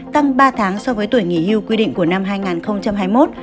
tăng ba tháng so với tuổi nghỉ hưu quy định của năm hai nghìn hai mươi một